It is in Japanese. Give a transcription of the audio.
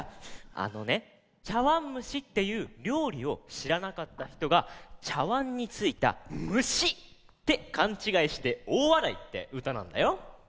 あのね「ちゃわんむし」っていうりょうりをしらなかったひとがちゃわんについた「むし」ってかんちがいしておおわらいってうたなんだよ。